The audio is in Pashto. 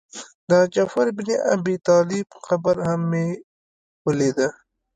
د جعفر بن ابي طالب قبر هم مې ولید.